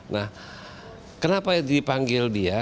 nah kenapa dipanggil dia